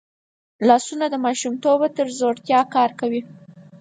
لاسونه له ماشومتوبه تر زوړتیا کار کوي